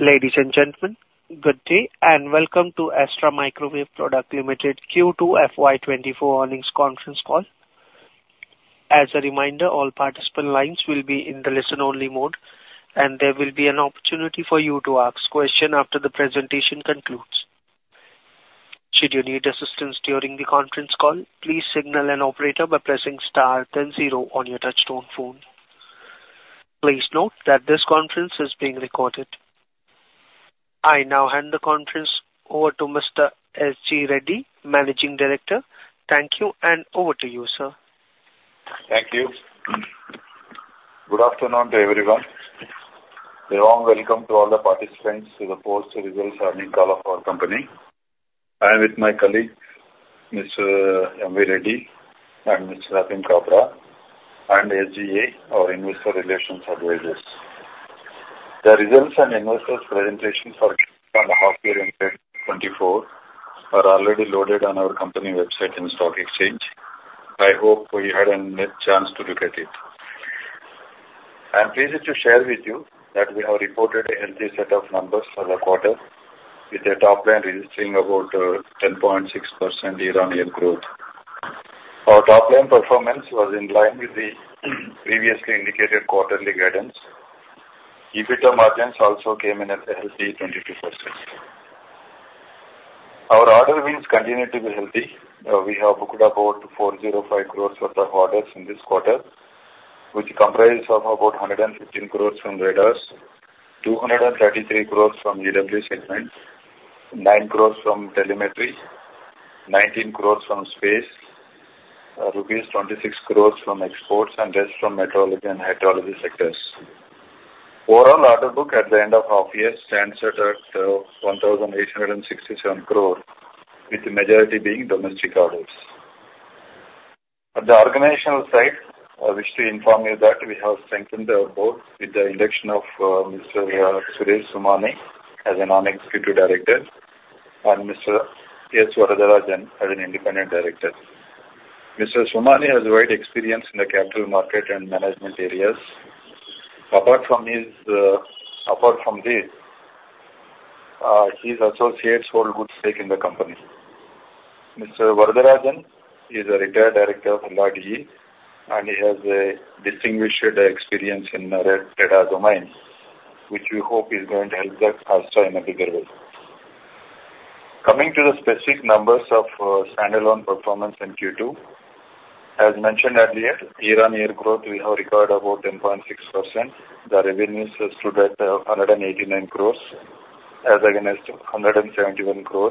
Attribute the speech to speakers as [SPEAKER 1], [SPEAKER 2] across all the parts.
[SPEAKER 1] Ladies, and gentlemen, good day, and welcome to Astra Microwave Products Limited Q2 FY 2024 Earnings Conference Call. As a reminder, all participant lines will be in the listen-only mode, and there will be an opportunity for you to ask questions after the presentation concludes. Should you need assistance during the conference call, please signal an operator by pressing star then zero on your touchtone phone. Please note that this conference is being recorded. I now hand the conference over to Mr. S.G. Reddy, Managing Director. Thank you, and over to you, sir.
[SPEAKER 2] Thank you. Good afternoon to everyone. A warm welcome to all the participants to the post results earnings call of our company. I am with my colleague, Mr. M.V. Reddy and Mr. Atim Kabra, and SGA, our Investor Relations advisors. The results and investors presentation for the half year ended 2024 are already loaded on our company website and stock exchange. I hope you had a chance to look at it. I'm pleased to share with you that we have reported a healthy set of numbers for the quarter, with the top line registering about 10.6% year-on-year growth. Our top line performance was in line with the previously indicated quarterly guidance. EBITDA margins also came in at a healthy 22%. Our order wins continue to be healthy. We have booked about 405 crore worth of orders in this quarter, which comprise of about 115 crore from radars, 233 crore from EW segment, 9 crore from telemetry, 19 crore from space, rupees 26 crore from exports and rest from meteorology and hydrology sectors. Overall, order book at the end of half year stands at 1,867 crore, with the majority being domestic orders. At the organizational side, I wish to inform you that we have strengthened our board with the induction of Mr. Suresh Somani as a Non-Executive Director and Mr. S. Varadarajan as an Independent Director. Mr. Somani has a wide experience in the capital market and management areas. Apart from this, his associates hold good stake in the company. Mr. Varadarajan is a retired Director of LRDE, and he has a distinguished experience in radar domain, which we hope is going to help us also in a bigger way. Coming to the specific numbers of standalone performance in Q2. As mentioned earlier, year-on-year growth, we have recorded about 10.6%. The revenues stood at 189 crore, as against 171 crore.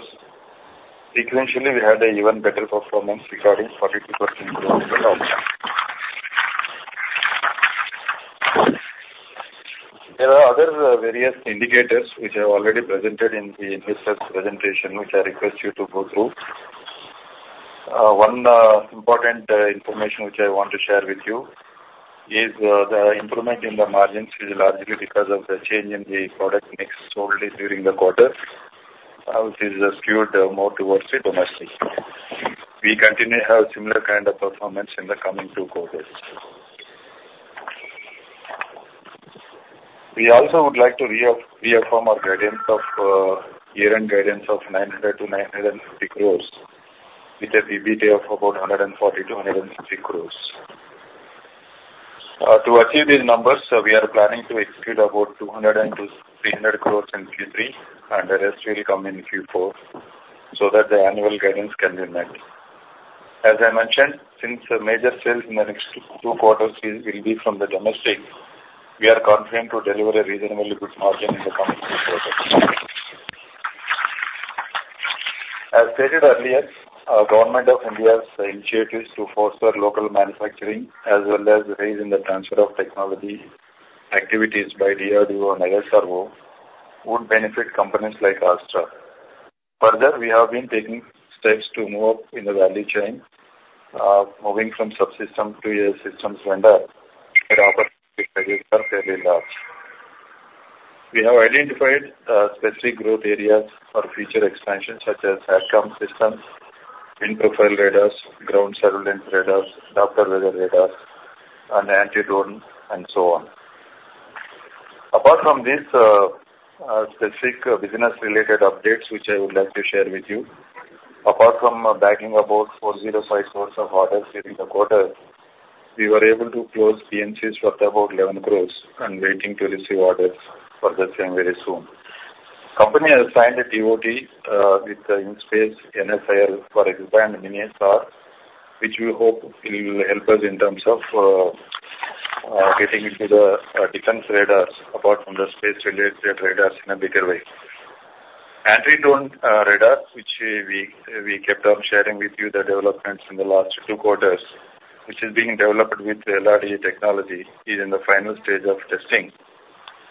[SPEAKER 2] Sequentially, we had an even better performance, recording 42% growth in our plans. There are other various indicators which I have already presented in the investors presentation, which I request you to go through. One important information which I want to share with you is the improvement in the margins is largely because of the change in the product mix totally during the quarter, as is skewed more towards the domestic. We continue to have similar kind of performance in the coming two quarters. We also would like to reaffirm our guidance of year-end guidance of 900 crores-950 crores, with an EBITDA of about 140 crores-150 crores. To achieve these numbers, so we are planning to execute about 200 crores-300 crores in Q3, and the rest will come in Q4, so that the annual guidance can be met. As I mentioned, since the major sales in the next two quarters will be from the domestic, we are confident to deliver a reasonably good margin in the coming quarters. As stated earlier, our Government of India's initiatives to foster local manufacturing as well as raise in the transfer of technology activities by DRDO and ISRO would benefit companies like Astra. Further, we have been taking steps to move up in the value chain, moving from subsystem to a systems vendor, the opportunities are fairly large. We have identified specific growth areas for future expansion, such as SATCOM systems, wind profile radars, ground surveillance radars, Doppler weather radars, and anti-drone, and so on. Apart from these, specific business-related updates, which I would like to share with you, apart from bagging about 405 crores of orders during the quarter, we were able to close PNCs worth about 11 crores and waiting to receive orders for the same very soon. Company has signed a ToT with NewSpace India Limited for X-band MiniSAR, which we hope will help us in terms of getting into the defense radars, apart from the space-related radars in a bigger way. Anti-drone radar, which we kept on sharing with you the developments in the last two quarters, which is being developed with LRDE technology, is in the final stage of testing.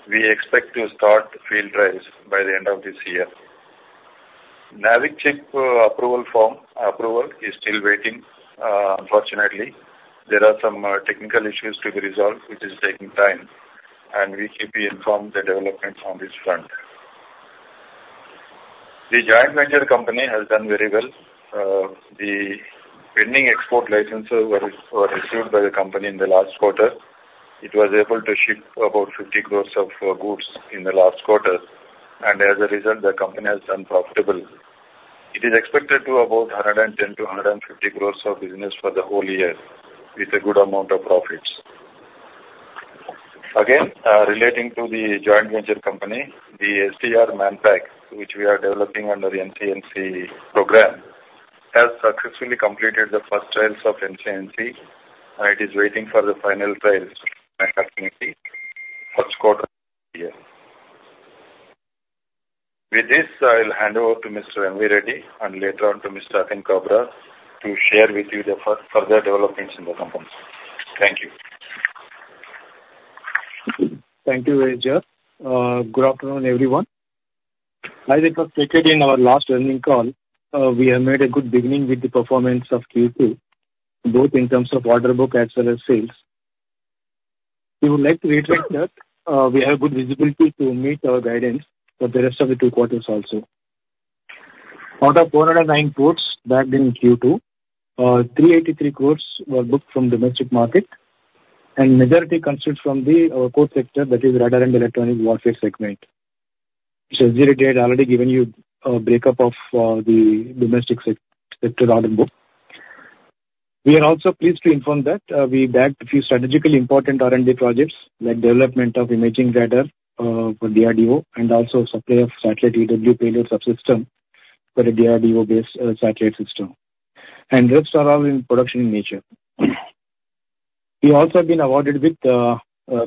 [SPEAKER 2] We expect to start field trials by the end of this year. NavIC chip approval form, approval is still waiting. Unfortunately, there are some technical issues to be resolved, which is taking time, and we keep you informed the developments on this front. The joint venture company has done very well. The pending export licenses were issued by the company in the last quarter. It was able to ship about 50 crores of goods in the last quarter, and as a result, the company has been profitable. It is expected to 110 crores-150 crores of business for the whole year, with a good amount of profits. Again, relating to the joint venture company, the Manpack SDR, which we are developing under the NCNC program, has successfully completed the first trials of NCNC, and it is waiting for the final trials by Q1 of the year. With this, I'll hand over to Mr. M.V. Reddy and later on to Mr. Atim Kabra, to share with you the further developments in the company. Thank you.
[SPEAKER 3] Thank you, S.G. Good afternoon, everyone. As it was stated in our last earnings call, we have made a good beginning with the performance of Q2, both in terms of order book as well as sales. We would like to reiterate that, we have good visibility to meet our guidance for the rest of the two quarters also. Out of 409 crores back in Q2, 383 crores were booked from domestic market, and majority comes from the, core sector, that is, radar and electronic warfare segment. So S.G. had already given you a breakup of, the domestic sector order book. We are also pleased to inform that we bagged a few strategically important R&D projects, like development of Imaging Radar for DRDO, and also supply of Satellite EW Payload subsystem for the DRDO-based satellite system, and those are all in production in nature. We also have been awarded with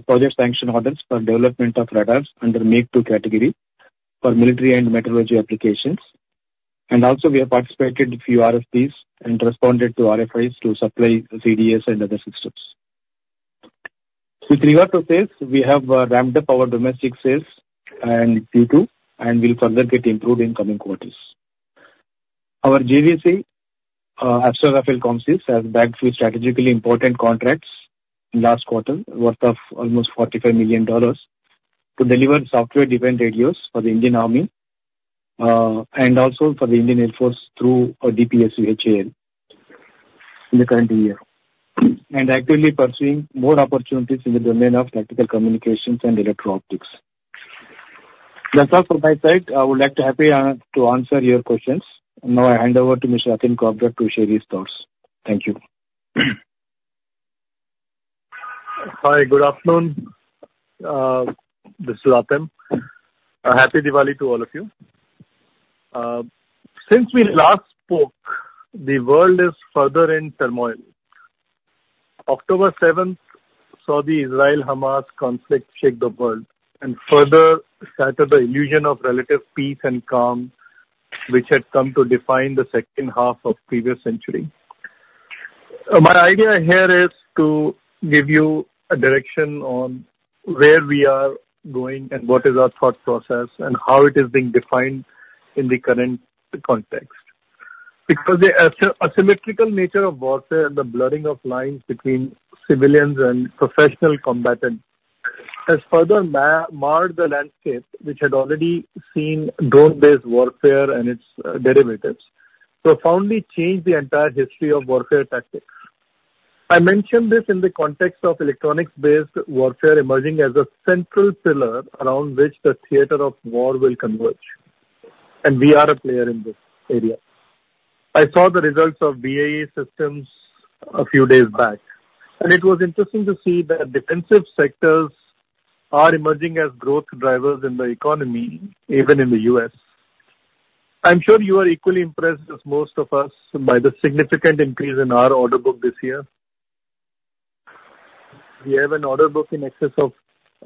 [SPEAKER 3] project sanction orders for development of radars under Make-II category for military and meteorology applications. Also we have participated in a few RFPs and responded to RFIs to supply CDS and other systems. With regard to sales, we have ramped up our domestic sales in Q2, and will further get improved in coming quarters. Our JV, Astra Rafael Comsys, has bagged few strategically important contracts in last quarter, worth almost $45 million, to deliver software-defined radios for the Indian Army and also for the Indian Air Force through a DPSU HAL in the current year. Actively pursuing more opportunities in the domain of tactical communications and electro-optics. That's all from my side. I would be happy to answer your questions. Now, I hand over to Mr. Atim Kabra to share his thoughts. Thank you.
[SPEAKER 4] Hi, good afternoon. This is Atim. A happy Diwali to all of you. Since we last spoke, the world is further in turmoil. October seventh saw the Israel-Hamas conflict shake the world, and further shatter the illusion of relative peace and calm, which had come to define the second half of previous century. My idea here is to give you a direction on where we are going and what is our thought process, and how it is being defined in the current context. Because the asymmetrical nature of warfare and the blurring of lines between civilians and professional combatants has further marred the landscape, which had already seen drone-based warfare and its derivatives profoundly changed the entire history of warfare tactics. I mention this in the context of electronics-based warfare emerging as a central pillar around which the theater of war will converge, and we are a player in this area. I saw the results of BAE Systems a few days back, and it was interesting to see that defensive sectors are emerging as growth drivers in the economy, even in the U.S. I'm sure you are equally impressed as most of us by the significant increase in our order book this year. We have an order book in excess of,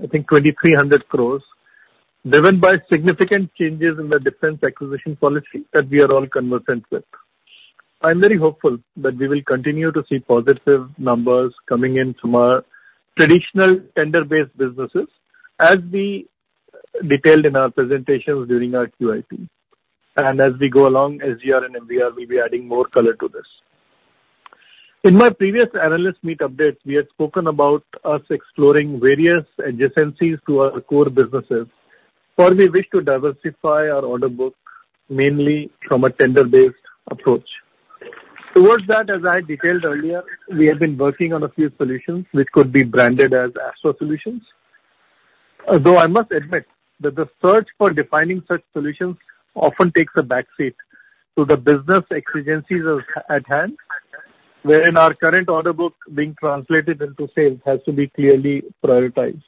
[SPEAKER 4] I think, 2,300 crores, driven by significant changes in the defense acquisition policy that we are all conversant with. I'm very hopeful that we will continue to see positive numbers coming in from our traditional tender-based businesses as we detailed in our presentations during our QIP. As we go along, SGR and MGR will be adding more color to this. In my previous analyst meet update, we had spoken about us exploring various adjacencies to our core businesses, for we wish to diversify our order book mainly from a tender-based approach. Towards that, as I detailed earlier, we have been working on a few solutions which could be branded as Astra solutions. Although I must admit that the search for defining such solutions often takes a backseat to the business exigencies at hand, wherein our current order book being translated into sales has to be clearly prioritized.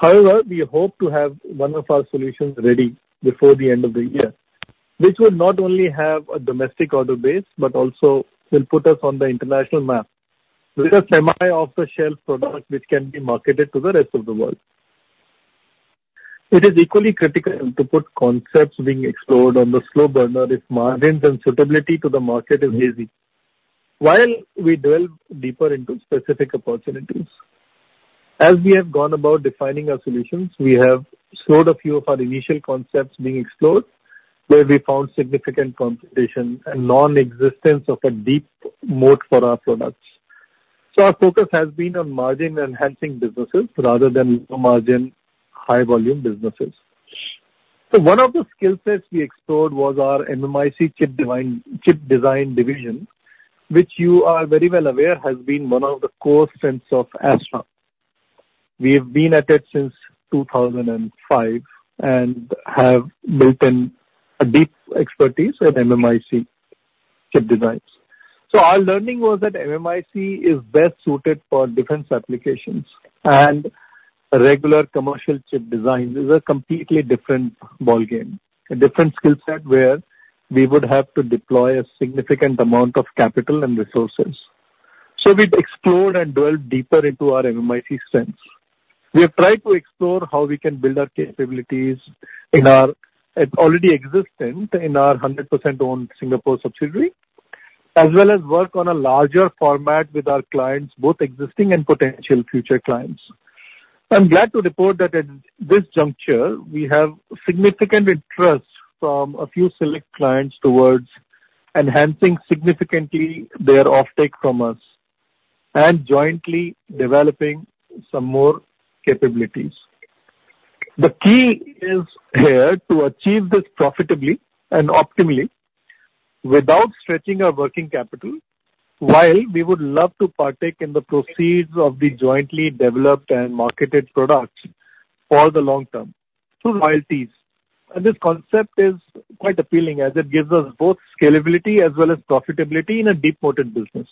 [SPEAKER 4] However, we hope to have one of our solutions ready before the end of the year, which will not only have a domestic order base, but also will put us on the international map with a semi-off-the-shelf product which can be marketed to the rest of the world. It is equally critical to put concepts being explored on the slow burner if margins and suitability to the market is hazy, while we delve deeper into specific opportunities. As we have gone about defining our solutions, we have slowed a few of our initial concepts being explored, where we found significant competition and non-existence of a deep moat for our products.... So our focus has been on margin-enhancing businesses rather than low margin, high volume businesses. So one of the skill sets we explored was our MMIC chip design, chip design division, which you are very well aware has been one of the core strengths of Astra. We have been at it since 2005 and have built in a deep expertise in MMIC chip designs. So our learning was that MMIC is best suited for defense applications, and regular commercial chip design is a completely different ballgame, a different skill set where we would have to deploy a significant amount of capital and resources. So we explored and delved deeper into our MMIC strengths. We have tried to explore how we can build our capabilities in our, already existent, in our 100% owned Singapore subsidiary, as well as work on a larger format with our clients, both existing and potential future clients. I'm glad to report that at this juncture, we have significant interest from a few select clients towards enhancing significantly their offtake from us and jointly developing some more capabilities. The key is here to achieve this profitably and optimally without stretching our working capital, while we would love to partake in the proceeds of the jointly developed and marketed products for the long term through royalties. And this concept is quite appealing as it gives us both scalability as well as profitability in a deep-rooted business.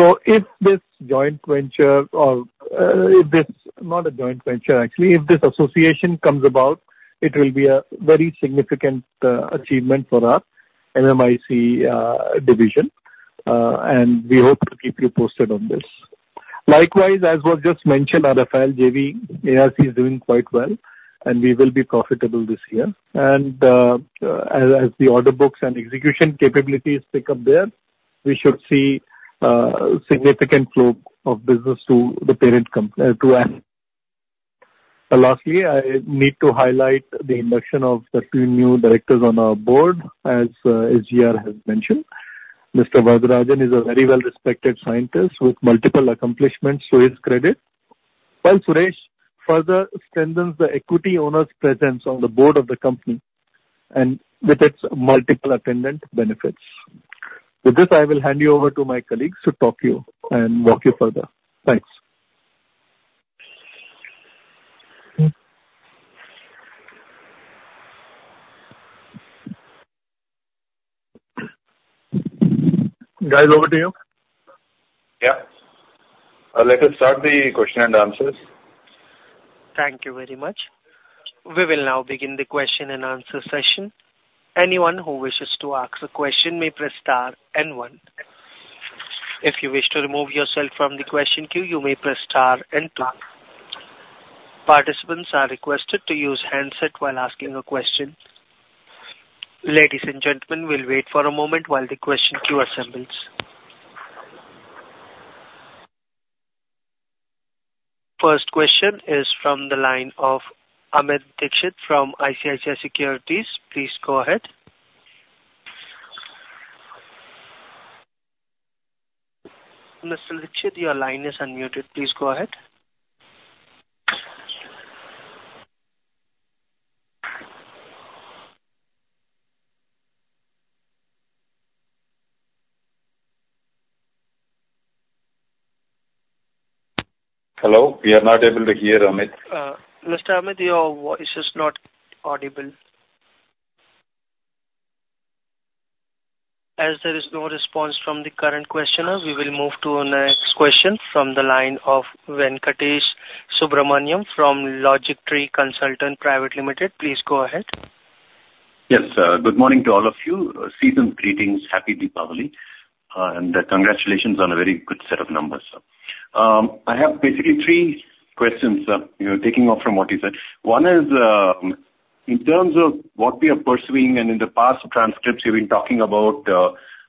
[SPEAKER 4] So if this joint venture or, if this... Not a joint venture, actually, if this association comes about, it will be a very significant achievement for our MMIC division, and we hope to keep you posted on this. Likewise, as was just mentioned, our Rafael JV, ARC, is doing quite well, and we will be profitable this year. As the order books and execution capabilities pick up there, we should see significant flow of business to the parent comp to us. Lastly, I need to highlight the induction of the three new directors on our board, as S.G. has mentioned. Mr. Varadarajan is a very well-respected scientist with multiple accomplishments to his credit, while Suresh further strengthens the equity owner's presence on the board of the company and with its multiple attendant benefits. With this, I will hand you over to my colleagues to talk you and walk you further. Thanks. Guys, over to you.
[SPEAKER 2] Yeah. Let us start the question-and-answers.
[SPEAKER 1] Thank you very much. We will now begin the question-and-answer session. Anyone who wishes to ask a question may press star and one. If you wish to remove yourself from the question queue, you may press star and two. Participants are requested to use handset while asking a question. Ladies, and gentlemen, we'll wait for a moment while the question queue assembles. First question is from the line of Amit Dixit from ICICI Securities. Please go ahead. Mr. Dixit, your line is unmuted. Please go ahead.
[SPEAKER 2] Hello, we are not able to hear Amit.
[SPEAKER 1] Mr. Amit, your voice is not audible. As there is no response from the current questioner, we will move to our next question from the line of Venkatesh Subramaniam from LogicTree Consultants Private Limited. Please go ahead.
[SPEAKER 5] Yes, good morning to all of you. Season's greetings. Happy Deepavali, and congratulations on a very good set of numbers. I have basically three questions, you know, taking off from what you said. One is, in terms of what we are pursuing and in the past transcripts, you've been talking about,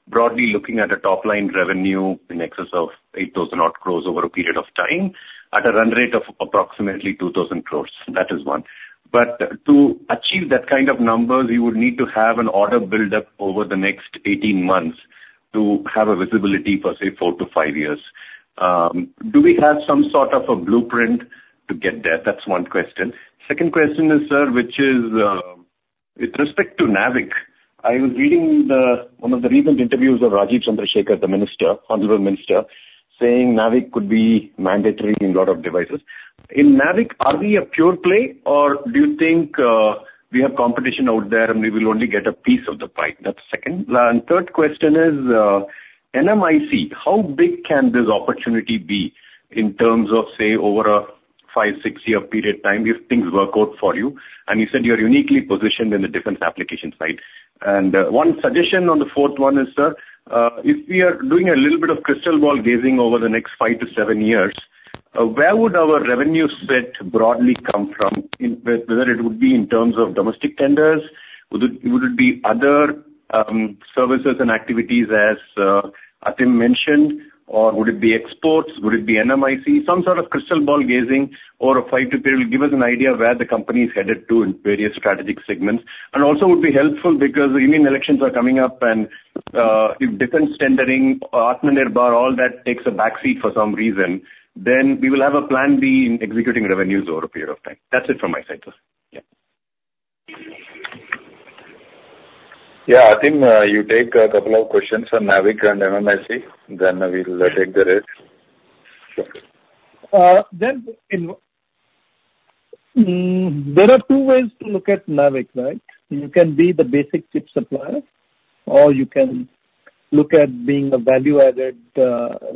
[SPEAKER 5] broadly looking at a top-line revenue in excess of 8,000-odd crores over a period of time at a run rate of approximately 2,000 crores. That is one. But to achieve that kind of numbers, you would need to have an order buildup over the next 18 months to have a visibility for, say, four to five years. Do we have some sort of a blueprint to get there? That's one question. Second question is, sir, which is with respect to NavIC, I was reading the one of the recent interviews of Rajeev Chandrasekhar, the minister, honorable minister, saying NavIC could be mandatory in a lot of devices. In NavIC, are we a pure play, or do you think we have competition out there, and we will only get a piece of the pie? That's second. And third question is MMIC, how big can this opportunity be in terms of, say, over a five to six year period of time, if things work out for you? And you said you are uniquely positioned in the defense application side. And one suggestion on the fourth one is, sir, if we are doing a little bit of crystal ball gazing over the next five to seven years, where would our revenue set broadly come from? In whether it would be in terms of domestic tenders, would it, would it be other, services and activities, as, Atim mentioned, or would it be exports? Would it be MMIC? Some sort of crystal ball gazing or a five-year period, give us an idea of where the company is headed to in various strategic segments. And also would be helpful because the Indian elections are coming up, and, if defense tendering, Atmanirbhar, all that takes a backseat for some reason, then we will have a plan B in executing revenues over a period of time. That's it from my side, sir. Yeah.
[SPEAKER 2] Yeah, I think, you take a couple of questions on NavIC and MMIC, then we will take the rest.
[SPEAKER 4] Sure. Then there are two ways to look at NavIC, right? You can be the basic chip supplier, or you can look at being a value-added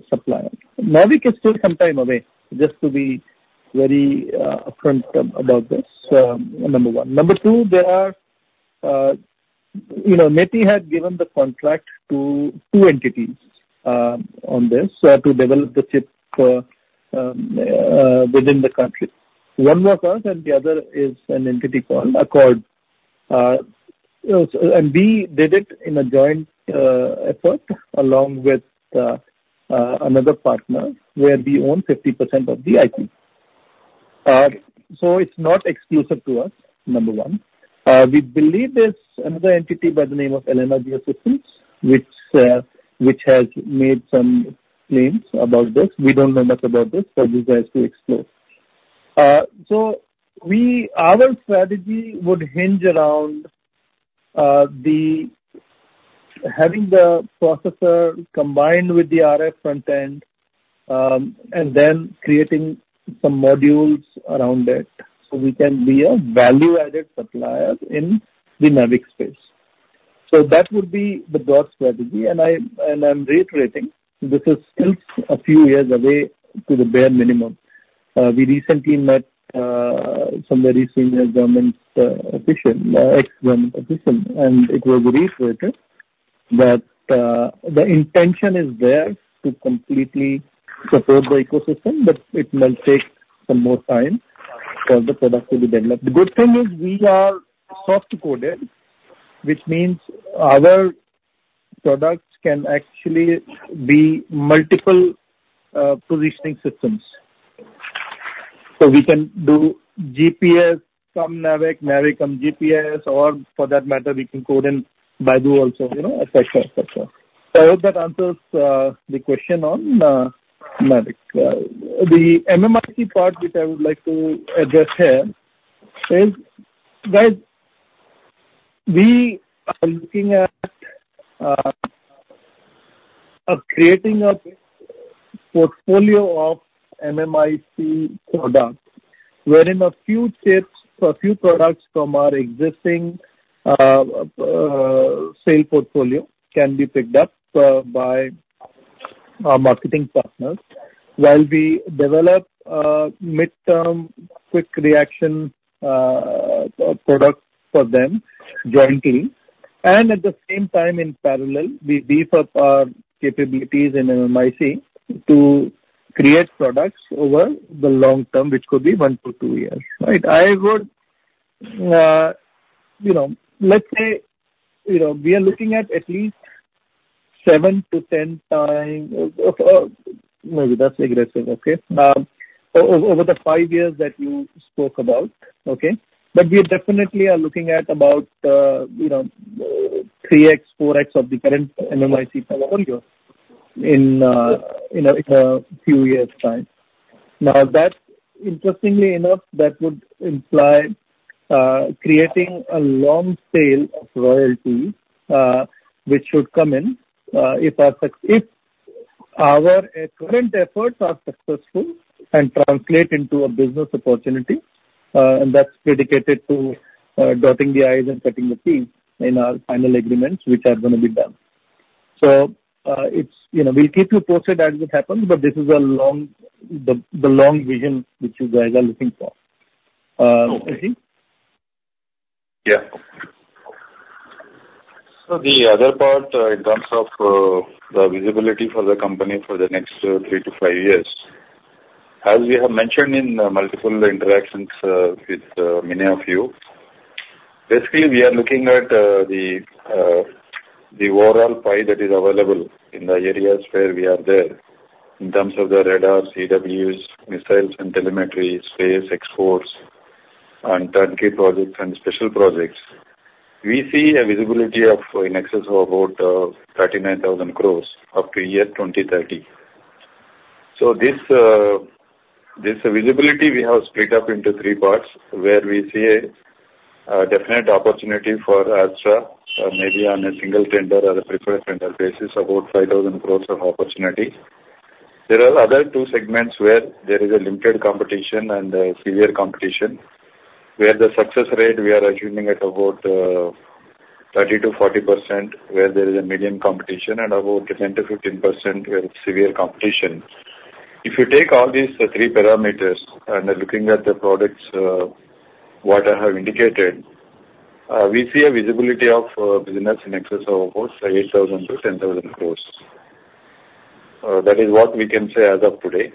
[SPEAKER 4] supplier. NavIC is still some time away, just to be very upfront about this, number one. Number two, there are, you know, MeitY had given the contract to two entities on this to develop the chip within the country. One was us, and the other is an entity called Accord. You know, so we did it in a joint effort, along with another partner, where we own 50% of the IP. So it's not exclusive to us, number one. We believe there's another entity by the name of Elena Geo Systems, which has made some claims about this. We don't know much about this for you guys to explore. So our strategy would hinge around the having the processor combined with the RF front-end, and then creating some modules around it, so we can be a value-added supplier in the NavIC space. So that would be the broad strategy. And I'm reiterating, this is still a few years away to the bare minimum. We recently met somebody senior government official, ex-government official, and it was reiterated that the intention is there to completely support the ecosystem, but it will take some more time for the product to be developed. The good thing is we are soft-coded, which means our products can actually be multiple positioning systems. So we can do GPS, some NavIC, NavIC and GPS, or for that matter, we can code in BeiDou also, you know, et cetera, et cetera. I hope that answers the question on NavIC. The MMIC part, which I would like to address here, is guys, we are looking at creating a portfolio of MMIC products, wherein a few chips or a few products from our existing sales portfolio can be picked up by our marketing partners, while we develop mid-term, quick reaction products for them jointly. And at the same time, in parallel, we beef up our capabilities in MMIC to create products over the long term, which could be one to two years, right? I would, you know... Let's say, you know, we are looking at at least 7x-10x of, maybe that's aggressive, okay, over the five years that you spoke about, okay? But we definitely are looking at about, you know, 3x-4x of the current MMIC portfolio in a few years' time. Now, that, interestingly enough, that would imply creating a long tail of royalties, which should come in, if our success—if our current efforts are successful and translate into a business opportunity, and that's dedicated to dotting the i's and crossing the t's in our final agreements, which are gonna be done. So, it's, you know, we'll keep you posted as it happens, but this is a long, the long vision which you guys are looking for.
[SPEAKER 5] Okay.
[SPEAKER 2] Yeah. So the other part, in terms of, the visibility for the company for the next, three to five years. As we have mentioned in, multiple interactions, with, many of you, basically, we are looking at, the overall pie that is available in the areas where we are there, in terms of the radar, CWs, missiles and telemetry, space, exports and turnkey projects and special projects. We see a visibility of, in excess of about, 39,000 crore up to year 2030. So this visibility, we have split up into three parts, where we see a definite opportunity for Astra, maybe on a single tender or a preferred tender basis, about 5,000 crore of opportunity. There are other two segments where there is a limited competition and a severe competition, where the success rate we are assuming at about 30%-40%, where there is a medium competition, and about 10%-15%, where it's severe competition. If you take all these three parameters and looking at the products, what I have indicated, we see a visibility of business in excess of, of course, 8,000 crores-10,000 crores. That is what we can say as of today.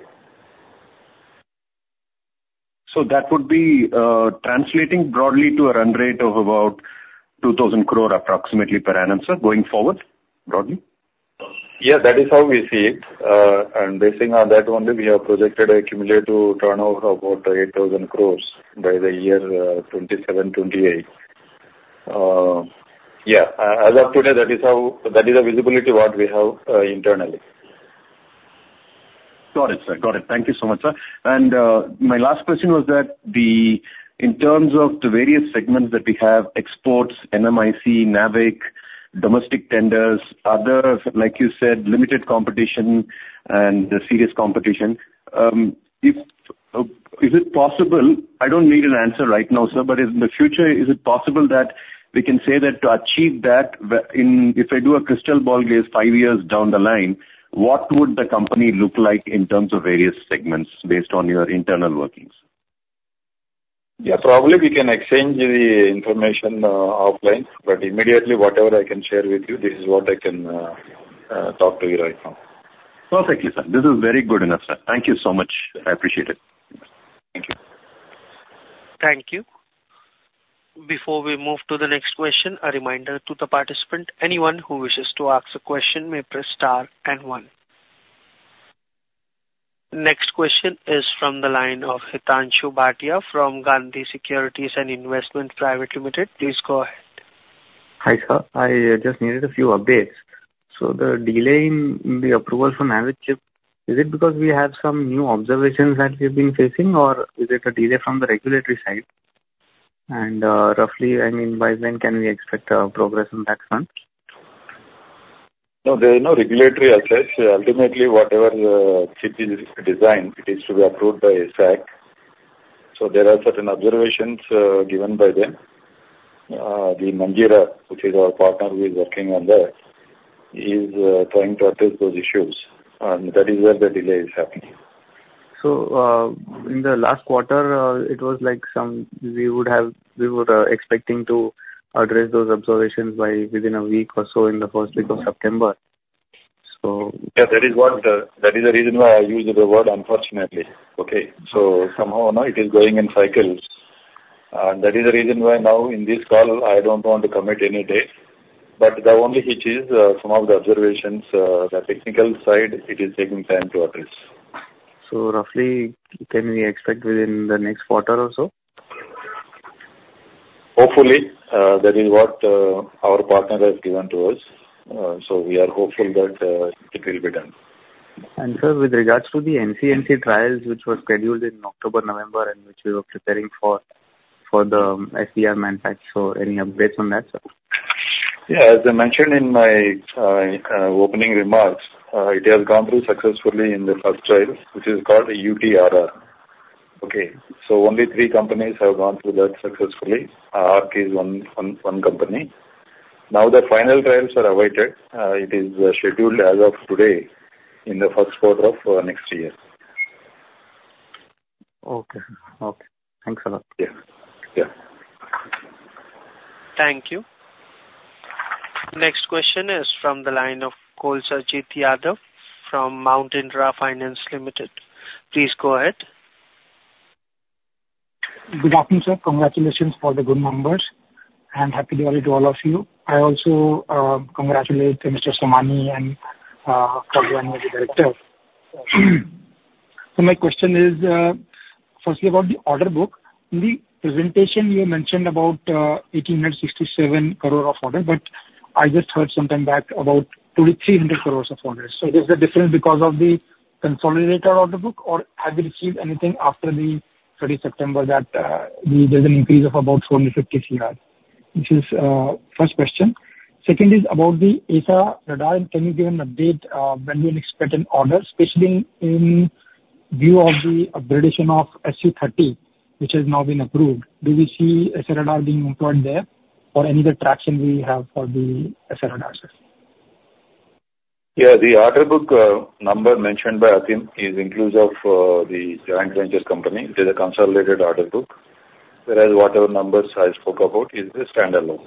[SPEAKER 5] So that would be translating broadly to a run rate of about 2,000 crore approximately per annum, sir, going forward, broadly?
[SPEAKER 2] Yeah, that is how we see it. And basing on that one, we have projected a cumulative turnover of about 8,000 crore by the year 2027-2028. Yeah, as of today, that is how, that is the visibility what we have, internally.
[SPEAKER 5] Got it, sir. Got it. Thank you so much, sir. And my last question was that the, in terms of the various segments that we have, exports, NMIC, NAVIC, domestic tenders, other, like you said, limited competition and serious competition, if is it possible, I don't need an answer right now, sir, but in the future, is it possible that we can say that to achieve that, if I do a crystal ball gaze five years down the line, what would the company look like in terms of various segments based on your internal workings?
[SPEAKER 2] Yeah, probably we can exchange the information offline, but immediately, whatever I can share with you, this is what I can talk to you right now.
[SPEAKER 5] Perfectly, sir. This is very good enough, sir. Thank you so much. I appreciate it. Thank you.
[SPEAKER 1] Thank you. Before we move to the next question, a reminder to the participant, anyone who wishes to ask a question may press star and one. Next question is from the line of Hitanshu Bhatia from Gandhi Securities & Investment Pvt Ltd. Please go ahead.
[SPEAKER 6] Hi, sir. I just needed a few updates. So the delay in the approval for NavIC chip, is it because we have some new observations that we've been facing, or is it a delay from the regulatory side? And, roughly, I mean, by when can we expect progress on that front?
[SPEAKER 2] No, there is no regulatory access. Ultimately, whatever chip is designed, it is to be approved by SAC. So there are certain observations given by them. The Manjeera, which is our partner who is working on that, is trying to address those issues, and that is where the delay is happening.
[SPEAKER 6] In the last quarter, we would have, we were expecting to address those observations by within a week or so in the first week of September. So-
[SPEAKER 2] Yeah, that is what, that is the reason why I used the word unfortunately. Okay? So somehow or not, it is going in cycles. And that is the reason why now in this call, I don't want to commit any date, but the only hitch is, some of the observations, the technical side, it is taking time to address.
[SPEAKER 6] So roughly, can we expect within the next quarter or so?
[SPEAKER 2] Hopefully, that is what our partner has given to us. So we are hopeful that it will be done.
[SPEAKER 6] Sir, with regards to the NCNC trials, which were scheduled in October, November, and which we were preparing for, for the SDR manufacturing, so any updates on that, sir?
[SPEAKER 2] Yeah, as I mentioned in my opening remarks, it has gone through successfully in the first trial, which is called the UTRR. Okay, so only three companies have gone through that successfully. ARC is one, one, one company. Now, the final trials are awaited. It is scheduled as of today in the first quarter of next year.
[SPEAKER 6] Okay. Okay. Thanks a lot.
[SPEAKER 2] Yeah. Yeah.
[SPEAKER 1] Thank you. Next question is from the line of Sarjeet Yadav from Mount Intra Finance Limited. Please go ahead.
[SPEAKER 7] Good afternoon, sir. Congratulations for the good numbers, and Happy Diwali to all of you. I also congratulate Mr. Somani and all the directors. So my question is, firstly, about the order book. In the presentation, you mentioned about 1,867 crore of order, but I just heard some time back about 200 crore-300 crore of orders. So is the difference because of the consolidated order book, or have you received anything after 30 September that there's an increase of about 40 crore-50 crore? This is first question. Second is about the AESA radar. Can you give an update, when we expect an order, especially in view of the upgradation of Su-30, which has now been approved? Do we see AESA radar being employed there or any other traction we have for the AESA radar, sir?
[SPEAKER 2] Yeah, the order book number mentioned by Atim is inclusive of the joint ventures company. It is a consolidated order book, whereas whatever numbers I spoke about is the standalone.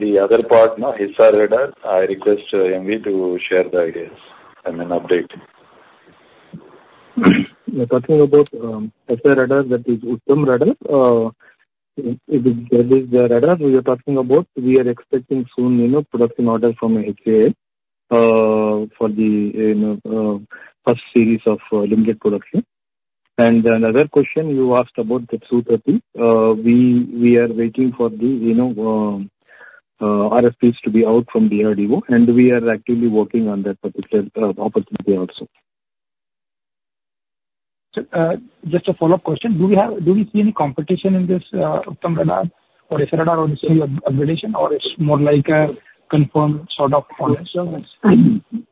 [SPEAKER 2] The other part, now, AESA radar, I request M.V. to share the ideas and an update.
[SPEAKER 3] You're talking about AESA radar, that is Uttam radar. It is, that is the radar we are talking about. We are expecting soon, you know, production order from HAL, for the, you know, first series of limited production. And another question you asked about the Su-30. We are waiting for the, you know, RFPs to be out from the DRDO, and we are actively working on that particular opportunity also.
[SPEAKER 7] Just a follow-up question. Do we see any competition in this Uttam Radar or AESA Radar on the same upgradation, or it's more like a confirmed sort of product?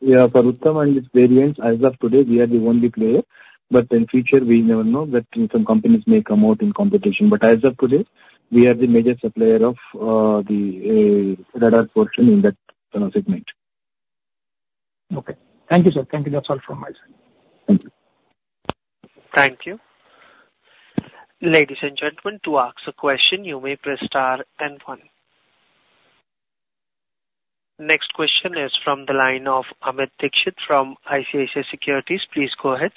[SPEAKER 3] Yeah, for Uttam and its variants, as of today, we are the only player, but in future, we never know that some companies may come out in competition. But as of today, we are the major supplier of the radar portion in that segment.
[SPEAKER 7] Okay. Thank you, sir. Thank you. That's all from my side.
[SPEAKER 3] Thank you.
[SPEAKER 1] Thank you. Ladies and gentlemen, to ask a question, you may press star and one. Next question is from the line of Amit Dixit from ICICI Securities. Please go ahead.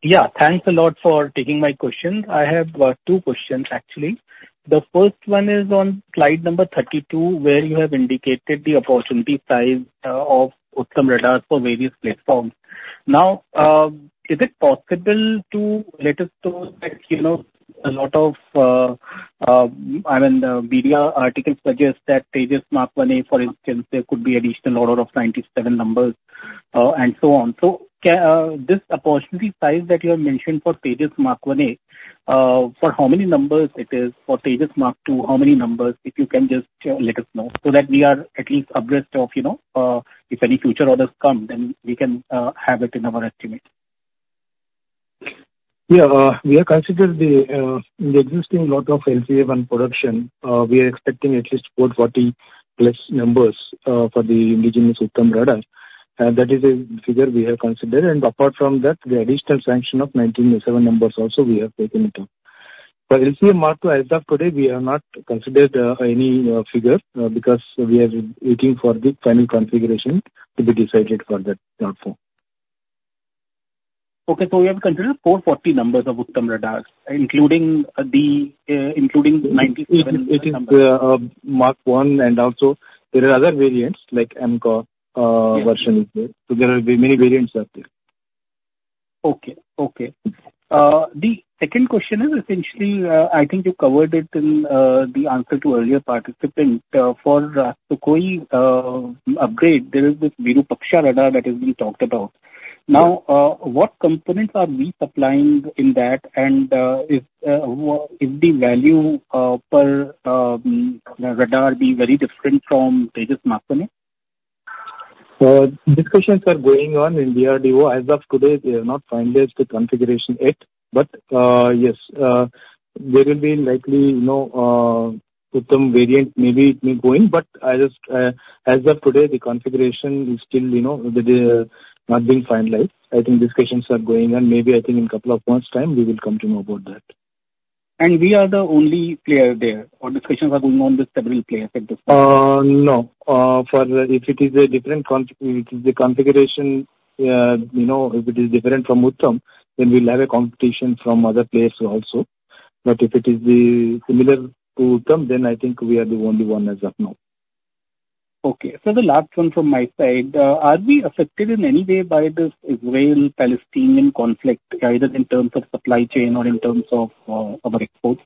[SPEAKER 8] Yeah, thanks a lot for taking my question. I have two questions, actually. The first one is on slide number 32, where you have indicated the opportunity size of Uttam radars for various platforms... Now, is it possible to let us know that, you know, a lot of, I mean, the media articles suggest that Tejas Mk1A, for instance, there could be additional order of 97 numbers, and so on. So this opportunity size that you have mentioned for Tejas Mk1A, for how many numbers it is? For Tejas MkII, how many numbers, if you can just let us know, so that we are at least abreast of, you know, if any future orders come, then we can have it in our estimate.
[SPEAKER 3] Yeah. We have considered the existing lot of LCA-1 production. We are expecting at least 440+ numbers for the indigenous Uttam radar, and that is a figure we have considered. And apart from that, the additional sanction of 197 numbers also we have taken into. For LCA Mark 2, as of today, we have not considered any figure because we are waiting for the final configuration to be decided for that platform.
[SPEAKER 8] Okay. So we have considered 440 numbers of Uttam radars, including 97 numbers.
[SPEAKER 3] It is Mark 1, and also there are other variants, like LCA.
[SPEAKER 8] Yes.
[SPEAKER 3] Version is there. So there are many variants out there.
[SPEAKER 8] Okay. Okay. The second question is essentially, I think you covered it in the answer to earlier participant. For the MKI upgrade, there is this Virupaksha Radar that is being talked about.
[SPEAKER 3] Yes.
[SPEAKER 8] Now, what components are we supplying in that, and what is the value per radar be very different from Tejas Mk1A?
[SPEAKER 3] Discussions are going on in DRDO. As of today, they have not finalized the configuration yet, but, yes, there will be likely, you know, Uttam variant maybe be going, but I just, as of today, the configuration is still, you know, the, not being finalized. I think discussions are going on. Maybe I think in couple of months' time, we will come to know about that.
[SPEAKER 8] We are the only player there, or discussions are going on with several players at this point?
[SPEAKER 3] No. If it is the configuration, you know, if it is different from Uttam, then we'll have a competition from other players also. But if it is the similar to Uttam, then I think we are the only one as of now.
[SPEAKER 8] Okay. The last one from my side. Are we affected in any way by this Israeli-Palestinian conflict, either in terms of supply chain or in terms of our exports?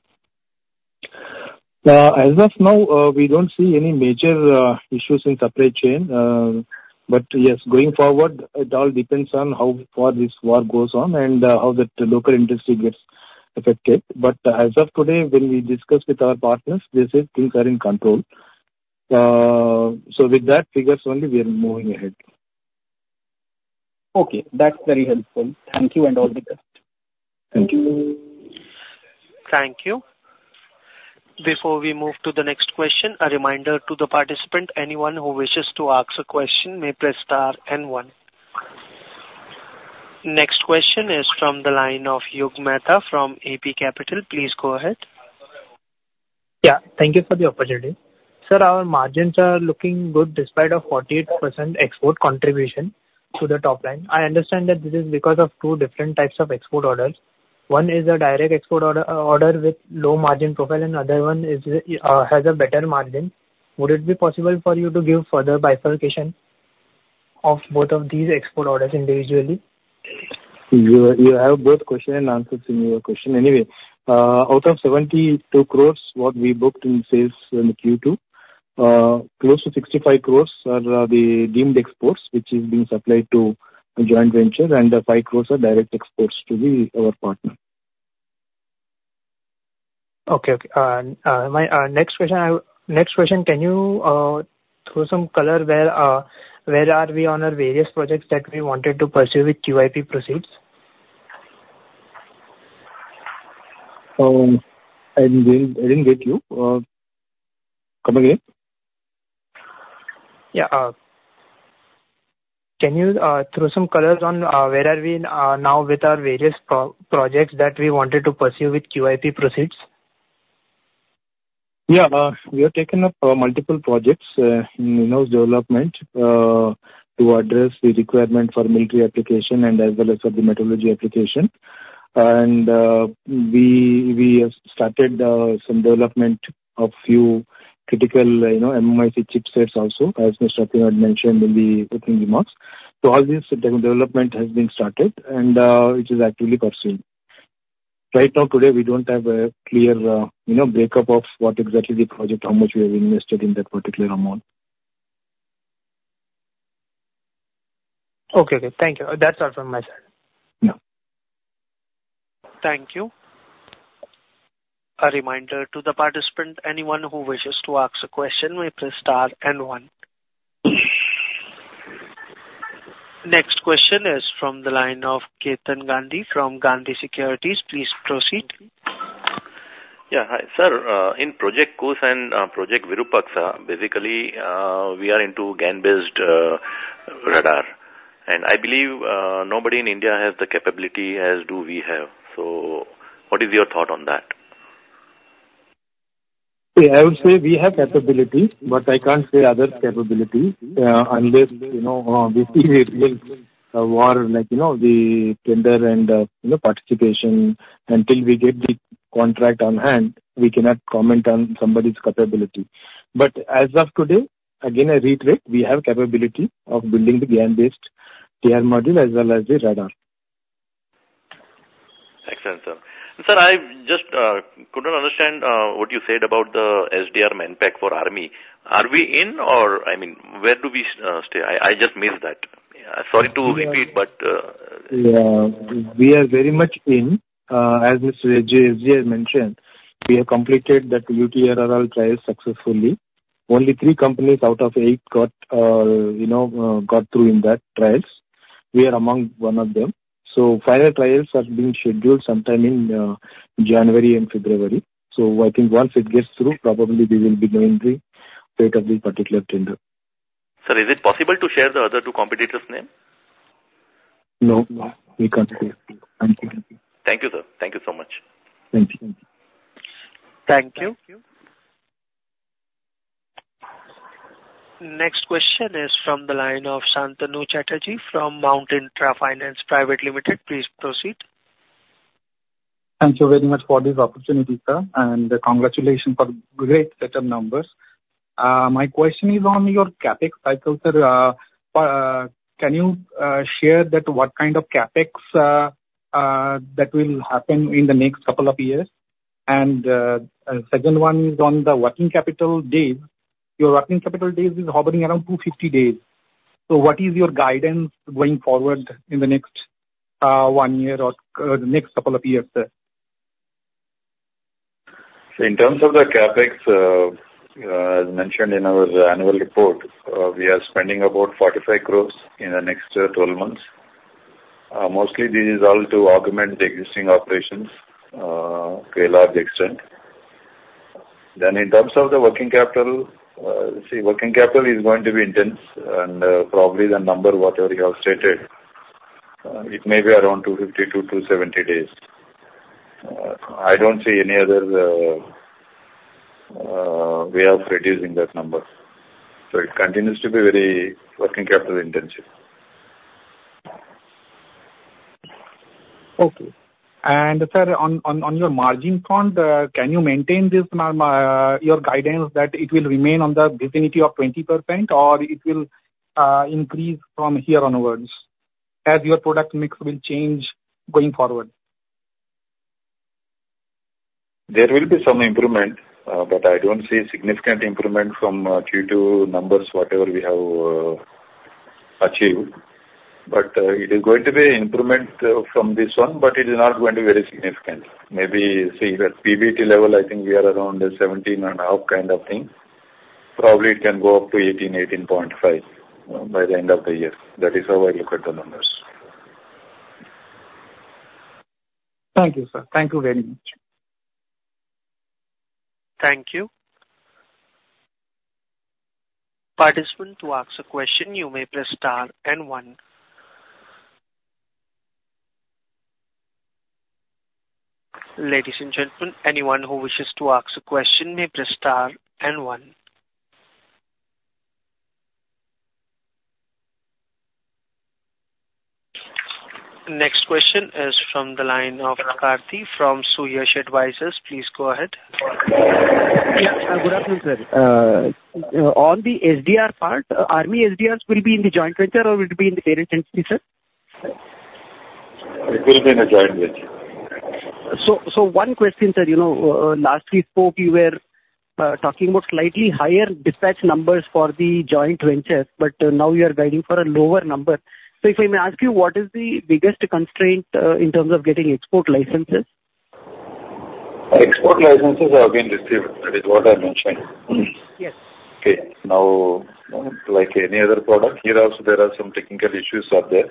[SPEAKER 3] As of now, we don't see any major issues in supply chain. But yes, going forward, it all depends on how far this war goes on and how the local industry gets affected. But as of today, when we discuss with our partners, they say things are in control. So with that figures only, we are moving ahead.
[SPEAKER 8] Okay, that's very helpful. Thank you, and all the best.
[SPEAKER 3] Thank you.
[SPEAKER 1] Thank you. Before we move to the next question, a reminder to the participant, anyone who wishes to ask a question may press star and one. Next question is from the line of Yug Mehta from AP Capital. Please go ahead.
[SPEAKER 9] Yeah, thank you for the opportunity. Sir, our margins are looking good despite a 48% export contribution to the top line. I understand that this is because of two different types of export orders. One is a direct export order, order with low margin profile and other one is, has a better margin. Would it be possible for you to give further bifurcation of both of these export orders individually?
[SPEAKER 3] You, you have both question-and-answers in your question anyway. Out of 72 crores, what we booked in sales in Q2, close to 65 crores are the deemed exports, which is being supplied to a joint venture, and the 5 crores are direct exports to our partner.
[SPEAKER 9] Okay. My next question: Can you throw some color where we are on our various projects that we wanted to pursue with QIP proceeds?
[SPEAKER 3] I didn't get you. Come again?
[SPEAKER 9] Yeah, can you throw some colors on where are we now with our various projects that we wanted to pursue with QIP proceeds?
[SPEAKER 3] Yeah, we have taken up multiple projects, you know, development to address the requirement for military application and as well as for the meteorology application. And, we, we have started some development of few critical, you know, MMIC chipsets also, as Mr. Atim had mentioned in the opening remarks. So all these development has been started, and, it is actually pursuing. Right now, today, we don't have a clear, you know, breakup of what exactly the project, how much we have invested in that particular amount.
[SPEAKER 9] Okay, good. Thank you. That's all from my side.
[SPEAKER 3] Yeah.
[SPEAKER 1] Thank you. A reminder to the participant, anyone who wishes to ask a question may press star and one. Next question is from the line of Ketan Gandhi from Gandhi Securities. Please proceed.
[SPEAKER 10] Yeah, hi. Sir, in Project Kusha and Project Virupaksha, basically, we are into GaN-based radar. And I believe, nobody in India has the capability as do we have. So what is your thought on that?
[SPEAKER 3] Yeah, I would say we have capability, but I can't say others' capability, unless, you know, this is a war, like, you know, the tender and, you know, participation. Until we get the contract on hand, we cannot comment on somebody's capability. But as of today. Again, I reiterate, we have capability of building the GaN-based DR module as well as the radar.
[SPEAKER 10] Excellent, sir. Sir, I just couldn't understand what you said about the SDR manpack for Army. Are we in or, I mean, where do we stay? I just missed that. Sorry to repeat, but-
[SPEAKER 3] Yeah, we are very much in. As Mr. S.G. has mentioned, we have completed that UTRR trials successfully. Only three companies out of eight got, you know, got through in that trials. We are among one of them. So final trials are being scheduled sometime in January and February. So I think once it gets through, probably we will be knowing the state of the particular tender.
[SPEAKER 10] Sir, is it possible to share the other two competitors' names?
[SPEAKER 3] No, no, we can't do.
[SPEAKER 10] Thank you, sir. Thank you so much.
[SPEAKER 3] Thank you.
[SPEAKER 1] Thank you. Next question is from the line of Santanu Chatterjee from Mount Intra Finance Private Limited. Please proceed.
[SPEAKER 11] Thank you very much for this opportunity, sir, and congratulations for great set of numbers. My question is on your CapEx cycle, sir. Can you share that what kind of CapEx that will happen in the next couple of years? And second one is on the working capital days. Your working capital days is hovering around 250 days. So what is your guidance going forward in the next one year or the next couple of years, sir?
[SPEAKER 2] In terms of the CapEx, as mentioned in our annual report, we are spending about 45 crores in the next 12 months. Mostly this is all to augment the existing operations, to a large extent. In terms of the working capital, see, working capital is going to be intense, and probably the number, whatever you have stated, it may be around 250-270 days. I don't see any other way of reducing that number. So it continues to be very working capital intensive.
[SPEAKER 11] Okay. And sir, on your margin front, can you maintain this, your guidance that it will remain in the vicinity of 20%, or it will increase from here onwards as your product mix will change going forward?
[SPEAKER 2] There will be some improvement, but I don't see significant improvement from Q2 numbers, whatever we have achieved. But it is going to be improvement from this one, but it is not going to be very significant. Maybe, see the PBT level, I think we are around 17.5 crore kind of thing. Probably it can go up to 18 crore-18.5 crore, by the end of the year. That is how I look at the numbers.
[SPEAKER 11] Thank you, sir. Thank you very much.
[SPEAKER 1] Thank you. Participant, to ask a question, you may press star and one. Ladies and gentlemen, anyone who wishes to ask a question, may press star and one. Next question is from the line of Aarti from Suyash Advisors. Please go ahead.
[SPEAKER 12] Yeah, good afternoon, sir. On the SDR part, Army SDRs will be in the joint venture or will be in the parent entity, sir?
[SPEAKER 2] It will be in a joint venture.
[SPEAKER 12] So, one question, sir. You know, last we spoke, you were talking about slightly higher dispatch numbers for the joint ventures, but now you are guiding for a lower number. So if I may ask you, what is the biggest constraint in terms of getting export licenses?
[SPEAKER 2] Export licenses have been received. That is what I mentioned.
[SPEAKER 12] Yes.
[SPEAKER 2] Okay. Now, like any other product, here also there are some technical issues are there.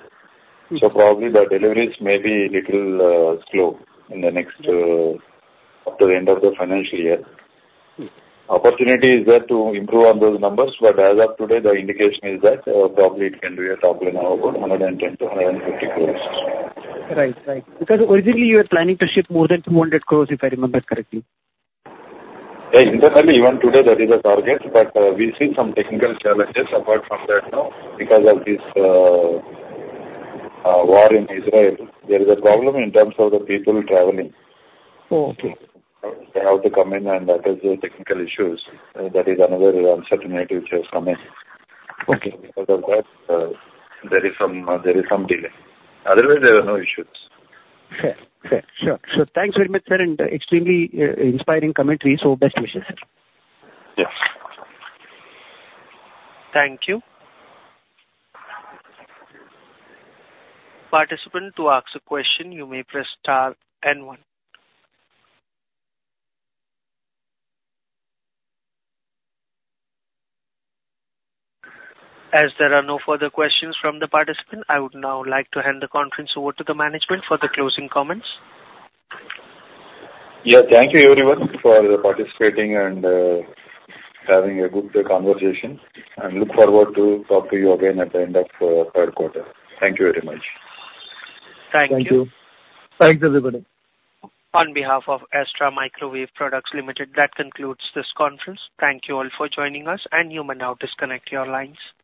[SPEAKER 12] Mm-hmm.
[SPEAKER 2] So probably the deliveries may be a little slow in the next up to the end of the financial year.
[SPEAKER 12] Mm.
[SPEAKER 2] Opportunity is there to improve on those numbers, but as of today, the indication is that, probably it can be a total of about 110 crores-150 crores.
[SPEAKER 12] Right. Right. Because originally you were planning to ship more than 200 crore, if I remember correctly.
[SPEAKER 2] Yeah, internally, even today, that is the target, but we see some technical challenges apart from that, you know, because of this war in Israel, there is a problem in terms of the people traveling.
[SPEAKER 12] Oh, okay.
[SPEAKER 2] They have to come in, and that is the technical issues. That is another uncertainty which has come in.
[SPEAKER 12] Okay.
[SPEAKER 2] Because of that, there is some delay. Otherwise, there are no issues.
[SPEAKER 12] Fair. Fair. Sure. So thanks very much, sir, and extremely inspiring commentary, so best wishes, sir.
[SPEAKER 2] Yes.
[SPEAKER 1] Thank you. Participant, to ask a question, you may press star and one. As there are no further questions from the participant, I would now like to hand the conference over to the management for the closing comments.
[SPEAKER 2] Yeah, thank you everyone for participating and having a good conversation, and look forward to talk to you again at the end of third quarter. Thank you very much.
[SPEAKER 1] Thank you.
[SPEAKER 3] Thank you. Thanks, everybody.
[SPEAKER 1] On behalf of Astra Microwave Products Limited, that concludes this conference. Thank you all for joining us, and you may now disconnect your lines.